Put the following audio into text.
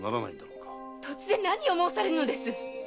突然何を申されるのです！？